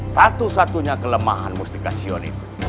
satu satunya kelemahan mustikasion itu